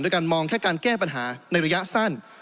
โดยการมองแค่การแก้ปัญหาในระยะสั้น